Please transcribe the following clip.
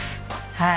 はい。